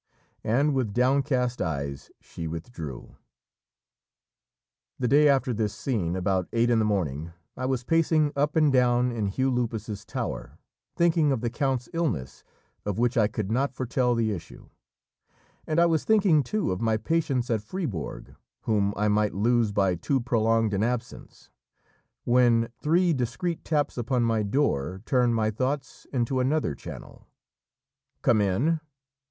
And with downcast eyes she withdrew. The day after this scene, about eight in the morning, I was pacing up and down in Hugh Lupus's tower, thinking of the count's illness, of which I could not foretell the issue and I was thinking too of my patients at Fribourg, whom I might lose by too prolonged an absence when three discreet taps upon my door turned my thoughts into another channel. "Come in!"